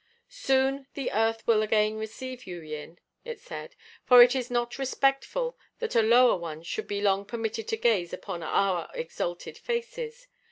"Soon the earth will again receive you, Yin," it said, "for it is not respectful that a lower one should be long permitted to gaze upon our exalted faces.